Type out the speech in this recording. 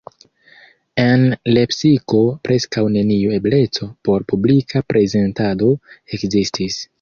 En Lepsiko preskaŭ neniu ebleco por publika prezentado ekzistis.